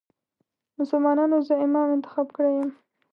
مسلمانانو زه امام انتخاب کړی یم.